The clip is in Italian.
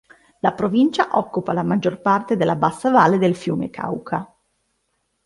La provincia occupa la maggior parte della bassa valle del fiume Cauca.